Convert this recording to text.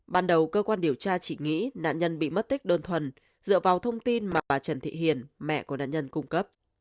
ban đầu cơ quan điều tra chỉ nghĩ nạn nhân bị mất tích đơn thuần dựa vào thông tin mà trần thị hiền mẹ của nạn nhân cung cấp